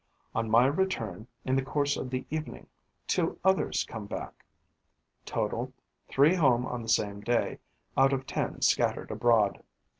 On my return, in the course of the evening, two others come back. Total: three home on the same day, out of ten scattered abroad.